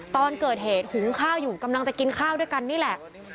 ตอนเกิดเหตุหุงข้าวอยู่กำลังจะกินข้าวด้วยกันนี่แหละ